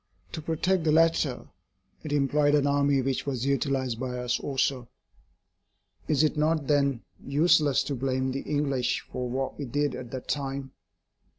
To protect the latter it employed an army which was utilised by us also. Is it not then useless to blame the English for what we did at that time?